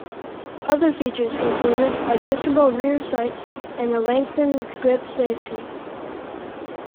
Other features included adjustable rear sights and a lengthened grip safety.